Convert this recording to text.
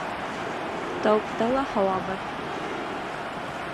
Тауыҡта ла һауа бар.